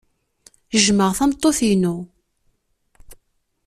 Jjmeɣ tameṭṭut-inu.